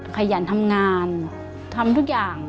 ขยันทำงานทำทุกอย่าง